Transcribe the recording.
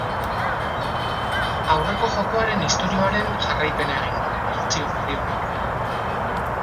Aurreko jokoaren istorioaren jarraipena egingo du bertsio berri honek.